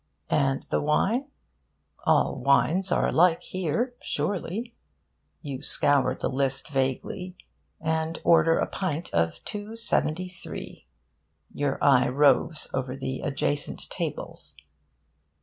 And the wine? All wines are alike here, surely. You scour the list vaguely, and order a pint of 273. Your eye roves over the adjacent tables.